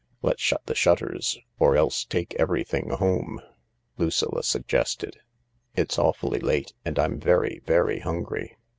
"Let's shut the shutters or else take everything hopie/' Lucilla suggested. "It's awfully late, and I'm very, very hungry."